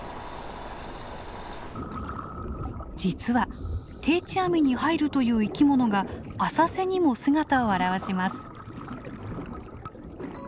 実は定置網に入るという生きものが浅瀬にも姿を現します。